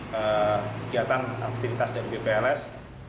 kegiatan aktivitas dari bpls